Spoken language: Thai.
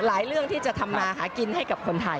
เรื่องที่จะทำมาหากินให้กับคนไทย